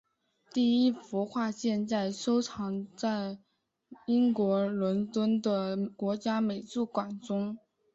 第一幅画现在收藏在英国伦敦的国家美术馆中。